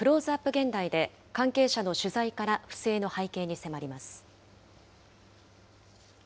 現代で、関係者の取材から不正の背景に迫ります。